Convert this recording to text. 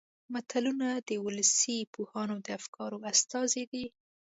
متلونه د ولسي پوهانو د افکارو استازي دي